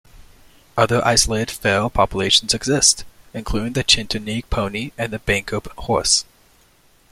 Other isolated feral populations exist, including the Chincoteague Pony and the Banker horse.